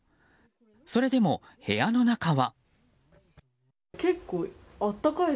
それでも部屋の中は。